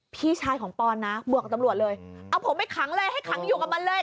พี่ชายของปอนนะบวกกับตำรวจเลยเอาผมไปขังเลยให้ขังอยู่กับมันเลย